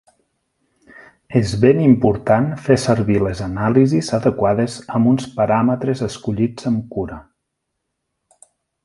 És ben important fer servir les anàlisis adequades amb uns paràmetres escollits amb cura.